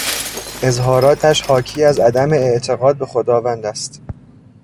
اظهاراتش حاکی از عدم اعتقاد به خداوند است.